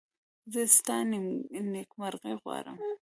زه ستا نېکمرغي غواړم.